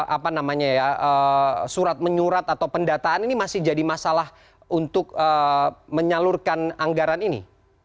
apa namanya ya surat menyurat atau pendataan ini masih jadi masalah untuk menyalurkan anggaran ini